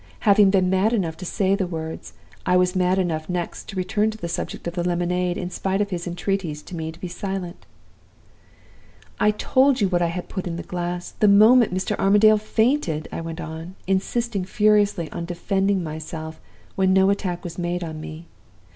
Having been mad enough to say the words, I was mad enough next to return to the subject of the lemonade, in spite of his entreaties to me to be silent. "'I told you what I had put in the glass, the moment Mr. Armadale fainted,' I went on; insisting furiously on defending myself, when no attack was made on me.